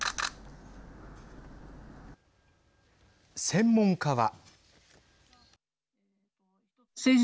専門家は。